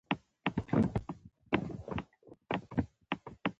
سکاره د ځینو هېوادونو لپاره اساسي سون توکي دي.